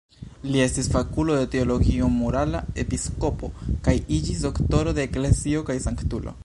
Li estis fakulo de teologio morala, episkopo kaj iĝis Doktoro de eklezio kaj sanktulo.